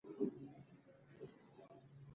دوي په دې نپوهيږي